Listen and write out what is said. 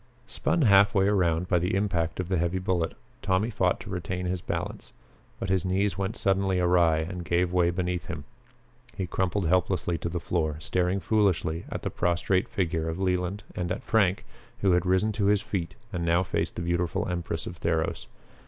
Spun half way around by the impact of the heavy bullet, Tommy fought to retain his balance. But his knees went suddenly awry and gave way beneath him. He crumpled helplessly to the floor, staring foolishly at the prostrate figure of Leland and at Frank, who had risen to his feet and now faced the beautiful empress of Theros.